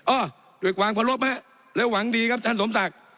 โอ้ด้วยกวางพลบนะแล้วหวังดีครับท่านสมศักดิ์